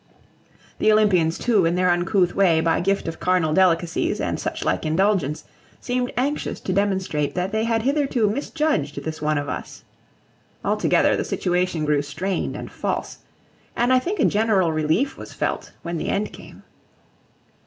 The Olympians, too, in their uncouth way, by gift of carnal delicacies and such like indulgence, seemed anxious to demonstrate that they had hitherto misjudged this one of us. Altogether the situation grew strained and false, and I think a general relief was felt when the end came.